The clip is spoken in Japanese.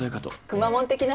くまモン的な？